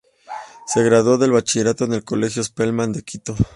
Se graduó de bachiller en el Colegio Spellman de Quito.